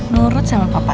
nurut sama papa al